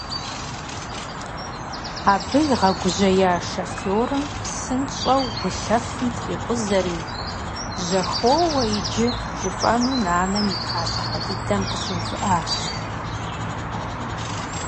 Абы игъэгужьея шофёрым псынщӀэу гулъэфым трикъузэри, «жьэхоуэ иджы!» жыпӀэну нанэм и пащхьэ дыдэм къыщыувыӀащ.